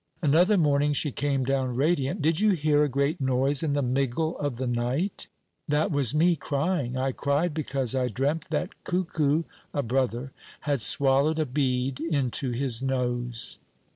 Another morning she came down radiant, "Did you hear a great noise in the miggle of the night? That was me crying. I cried because I dreamt that Cuckoo [a brother] had swallowed a bead into his nose."